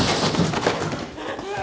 うわ！